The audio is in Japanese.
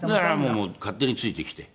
もう勝手についてきて。